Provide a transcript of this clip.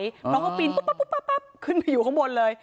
ก็เป็นเขาปีนปุ๊บป๊บปุ๊บคึนไปอยู่ข้างบนเลย